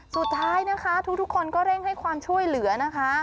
สุดท้ายนะคะทุกคนก็เร่งให้ความช่วยเหลือนะคะ